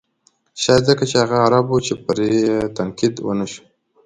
شاید ځکه چې هغه عرب و چې پرې تنقید و نه شو.